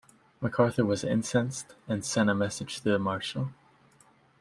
MacArthur was incensed and sent a message to Marshall.